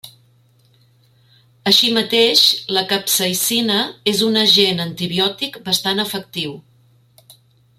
Així mateix, la capsaïcina és un agent antibiòtic bastant efectiu.